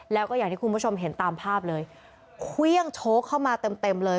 แล้วก็อย่างที่คุณผู้ชมเห็นตามภาพเลยเครื่องโชคเข้ามาเต็มเต็มเลย